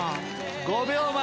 ５秒前！